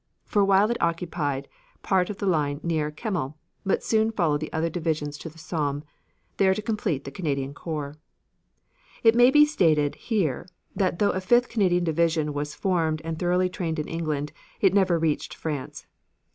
For a while it occupied part of the line near Kemmel, but soon followed the other divisions to the Somme, there to complete the Canadian corps. It may be stated here that though a fifth Canadian division was formed and thoroughly trained in England, it never reached France.